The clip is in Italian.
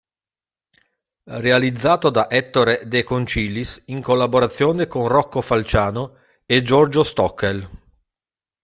Realizzato da Ettore De Concilis, in collaborazione con Rocco Falciano e Giorgio Stockel.